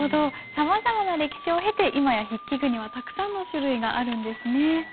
さまざまな歴史を経て今や筆記具にはたくさんの種類があるんですね。